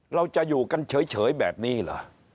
เราจะอยู่กันเฉยแบบนี้เหรอ